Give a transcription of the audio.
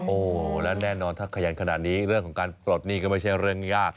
โอ้โหและแน่นอนถ้าขยันขนาดนี้เรื่องของการปลดหนี้ก็ไม่ใช่เรื่องยาก